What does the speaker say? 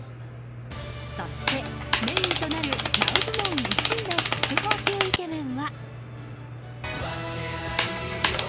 そして、メインとなるＮＯＷ部門１位の国宝級イケメンは。